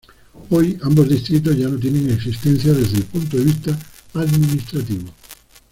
Hoy ambos distritos ya no tienen existencia desde el punto de vista administrativo.